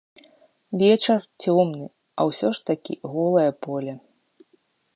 Вечар цёмны, а ўсё ж такі голае поле.